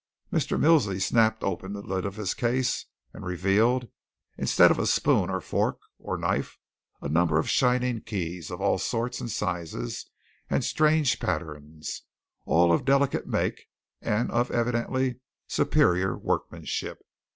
Mr. Milsey snapped open the lid of his case, and revealed, instead of spoon or fork or knife a number of shining keys, of all sorts and sizes and strange patterns, all of delicate make and of evidently superior workmanship.